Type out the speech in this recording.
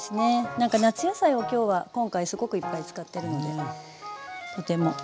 何か夏野菜を今日は今回すごくいっぱい使ってるのでとてもいいですよね。